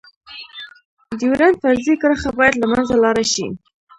ډيورنډ فرضي کرښه باید لمنځه لاړه شی.